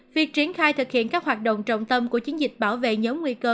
việc triển khai thực hiện các hoạt động trọng tâm của chiến dịch bảo vệ nhóm nguy cơ